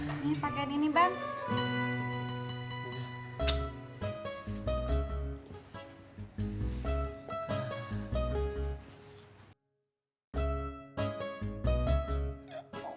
ini pake ini bang